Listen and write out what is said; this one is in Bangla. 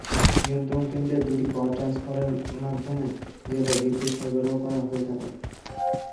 নিয়ন্ত্রণ কেন্দ্রের দুটি পাওয়ার ট্রান্সফরমারের মাধ্যমে জেলায় বিদ্যুৎ সরবরাহ করা হয়ে থাকে।